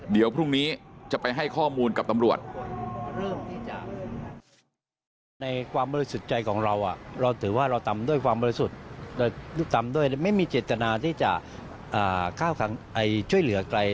เดี๋ยวพรุ่งนี้จะไปให้ข้อมูลกับตำรวจ